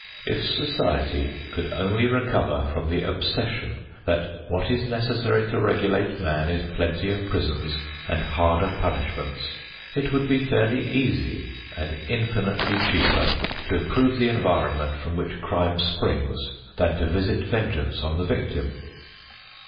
If society could only recover from the obsession that what is necessary to regulate man is plenty of prisons and harder punishments, it would be fairly easy and infinitely cheaper to improve the environment from which crime springs than to visit vengeance on the victim.